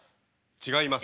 違います。